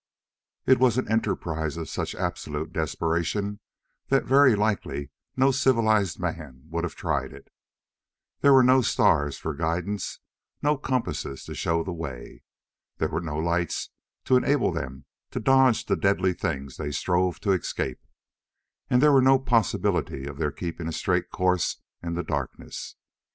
It was an enterprise of such absolute desperation that very likely no civilized man would have tried it. There were no stars, for guidance, nor compasses to show the way. There were no lights to enable them to dodge the deadly things they strove to escape, and there was no possibility of their keeping a straight course in the darkness.